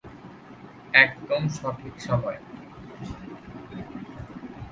একদম সঠিক সময়!